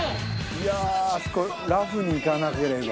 い筺あそこラフにいかなければ。